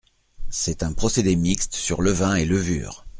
C'est un procédé mixte sur levain et levure.